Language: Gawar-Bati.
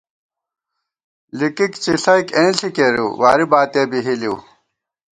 لِکِک څِݪَئیک اېنݪی کېرِؤ، واری باتِیَہ بی ہِلِؤ